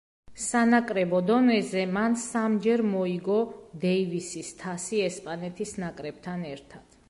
სანაკრებო დონეზე, მან სამჯერ მოიგო დეივისის თასი ესპანეთის ნაკრებთან ერთად.